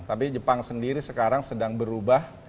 tapi jepang sendiri sekarang sedang berubah